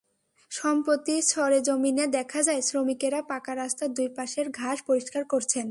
সম্প্রতি সরেজমিনে দেখা যায়, শ্রমিকেরা পাকা রাস্তার দুই পাশের ঘাস পরিষ্কার করছেন।